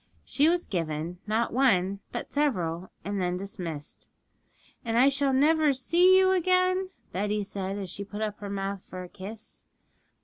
She was given, not one, but several, and then was dismissed. 'And I shall never see you again,' Betty said, as she put up her mouth for a kiss.